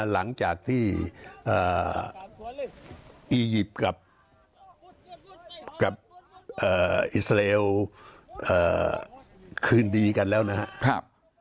หลังจากที่อียิปต์กับอิสราเอลคืนดีกันแล้วนะครับ